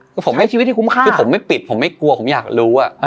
คือผมใช้ชีวิตที่คุ้มค่าคือผมไม่ปิดผมไม่กลัวผมอยากรู้